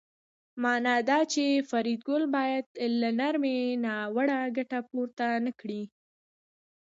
مانا دا چې فریدګل باید له نرمۍ ناوړه ګټه پورته نکړي